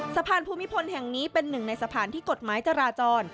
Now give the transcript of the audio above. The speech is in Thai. สะพานภูมิพลแห่งนี้เป็นหนึ่งในสะพานที่กฎหมายจราจร